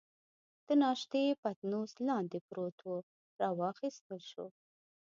د ناشتې پتنوس لاندې پروت وو، را واخیستل شو.